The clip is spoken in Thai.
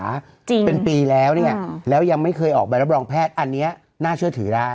จริงเป็นปีแล้วเนี่ยแล้วยังไม่เคยออกใบรับรองแพทย์อันนี้น่าเชื่อถือได้